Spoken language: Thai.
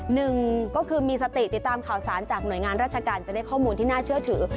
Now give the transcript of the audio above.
หนึ่งก็คือมีสติติดตามข่าวสารจากหน่วยงานราชการจะได้ข้อมูลที่น่าเชื่อถือ